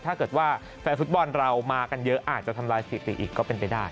ถ้าเกิดว่าแฟนฟุตบอลเรามากันเยอะอาจจะทำลายสถิติอีกก็เป็นไปได้